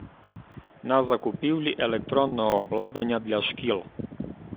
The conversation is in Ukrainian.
на закупівлі електронного обладнання для шкіл.